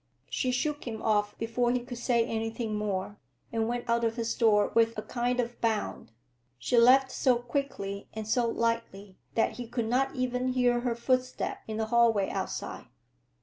She shook him off before he could say anything more, and went out of his door with a kind of bound. She left so quickly and so lightly that he could not even hear her footstep in the hallway outside.